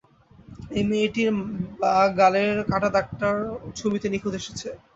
এই মেয়েটির বা গালের কাটা দাগটাও ছবিতে নিখুঁত এসেছে।